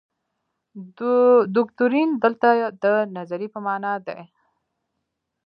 دوکتورین دلته د نظریې په معنا دی.